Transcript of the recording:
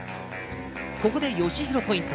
ここでよしひろポイント。